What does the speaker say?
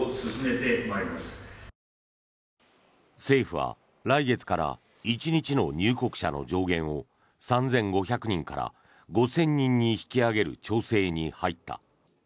政府は来月から１日の入国者の上限を３５００人から５０００人に引き上げる調整に入った。